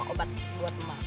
nanti aku mau